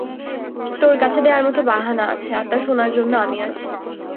তোর কাছে দেওয়ার মতো বাহানা আছে আর তা শোনার জন্য আমি আছি।